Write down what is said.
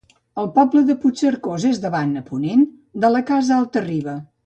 El poble de Puigcercós és davant, a ponent, de la Casa Alta-riba.